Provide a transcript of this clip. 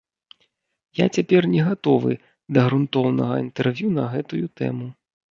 Я цяпер не гатовы да грунтоўнага інтэрв'ю на гэтую тэму.